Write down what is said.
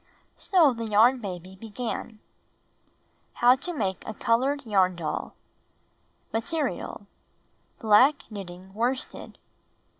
So the Yarn Baby began: How TO Make a Colored Yarn Doll Material: Black knitting worsted.